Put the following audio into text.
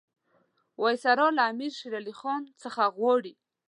وایسرا له امیر شېر علي خان څخه غواړي.